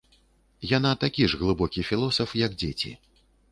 Яна такі ж глыбокі філосаф, як дзеці.